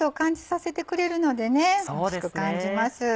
おいしく感じます。